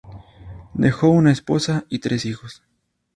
Dejó una esposa y tres hijos.